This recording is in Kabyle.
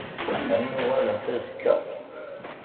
Ad n-uɣalent azekka?